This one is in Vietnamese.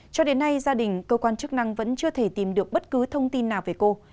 cho đến nay gia đình cơ quan chức năng vẫn chưa thể tìm được bất cứ thông tin nào về cô